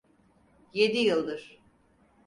Yedi yıldır.